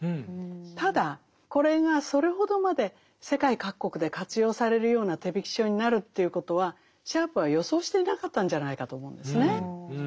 ただこれがそれほどまで世界各国で活用されるような手引書になるということはシャープは予想していなかったんじゃないかと思うんですね。